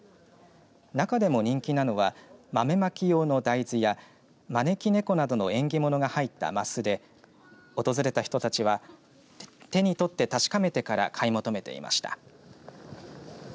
中でも人気なのは豆まき用の大豆や招き猫などの縁起物が入った升で訪れた人たちは手に取って確かめてから買い求めていました。